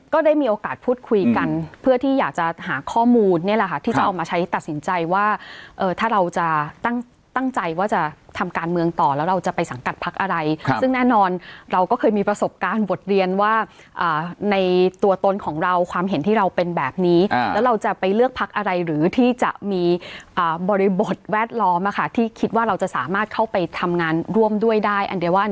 ก็ได้มีโอกาสพูดคุยกันเพื่อที่อยากจะหาข้อมูลเนี่ยแหละค่ะที่จะเอามาใช้ตัดสินใจว่าถ้าเราจะตั้งใจว่าจะทำการเมืองต่อแล้วเราจะไปสังกัดพักอะไรซึ่งแน่นอนเราก็เคยมีประสบการณ์บทเรียนว่าในตัวตนของเราความเห็นที่เราเป็นแบบนี้แล้วเราจะไปเลือกพักอะไรหรือที่จะมีบริบทแวดล้อมที่คิดว่าเราจะสามารถเข้าไปทำงานร่วมด้วยได้อันเดียว